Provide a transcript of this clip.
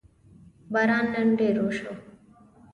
باران نن ډېر وشو